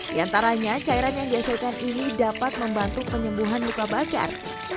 di antaranya cairan yang dihasilkan ini dapat membantu penyembuhan luka bakar